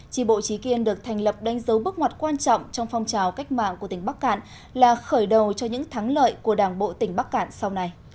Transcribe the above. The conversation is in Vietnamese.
tri bộ trí kiên được thành lập đánh dấu bước ngoặt quan trọng trong phong trào cách mạng của tỉnh bắc cạn là khởi đầu cho những thắng lợi của đảng bộ tỉnh bắc cạn sau này